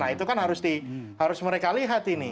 nah itu kan harus mereka lihat ini